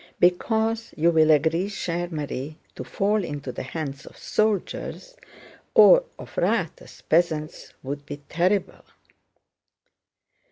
"Because, you will agree, chère Marie, to fall into the hands of the soldiers or of riotous peasants would be terrible."